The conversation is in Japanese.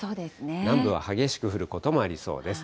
南部は激しく降ることもありそうです。